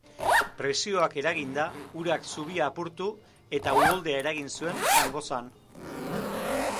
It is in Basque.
Presioak eraginda, urak zubia apurtu eta uholdea eragin zuen Zangozan.